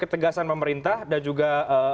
ketegasan pemerintah dan juga